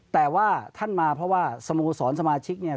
แต่ว่าท่านมาเพราะว่าสโมสรสมาชิกเนี่ย